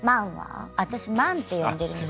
私「マン」って呼んでるんです。